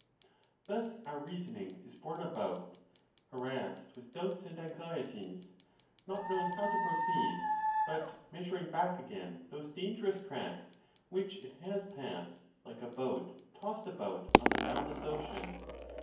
Thus our reason ing is borne about, harassed with doubts and anxieties, not knowing how to: proceed, but measuring back again those dangerous tracts which it has passed, like a boat tossed about on the boundless ocean.